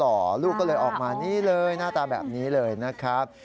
ลูกก็เลยออกมานี่เลยหน้าตาแบบนี้เลยนะครับ